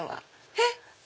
えっ！